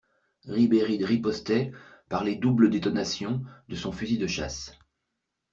Ribéride ripostait par les doubles détonations de son fusil de chasse.